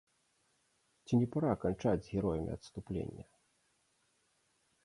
Ці не пара канчаць з героямі адступлення?